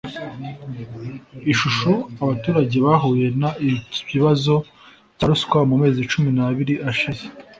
ishusho abaturage bahuye n ikibazo cya ruswa mu mezi cumi n abiri ashize